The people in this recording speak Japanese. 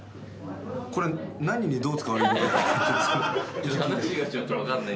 これ、何にどう使われるのか。